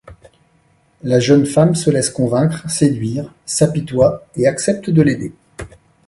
La jeune femme se laisse convaincre, séduire, s'apitoie, et accepte de l’aider.